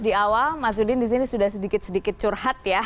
di awal mas udin disini sudah sedikit sedikit curhat ya